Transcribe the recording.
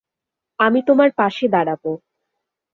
আমি তোমার পাশে দাঁড়াব!